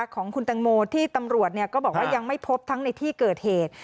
ของคุณตังโมที่ตำรวจก็บอกว่ายังไม่พบทั้งในที่เกิดเหตุ